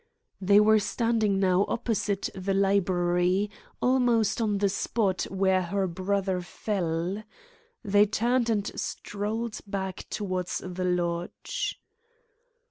They were standing now opposite the library, almost on the spot where her brother fell. They turned and strolled back towards the lodge.